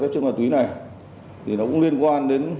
phục vụ đời sống của dân